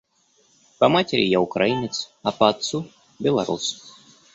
По матери я украинец, а по отцу — белорус.